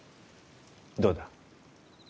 ．どうだ？